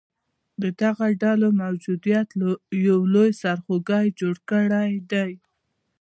د دغه ډلو موجودیت یو لوی سرخوږې جوړ کړیدی